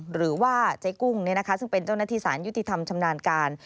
หรือว่าเจ๊กุ้งซึ่งเป็นเจ้าหน้าที่สารยุติธรรมชำนาญการ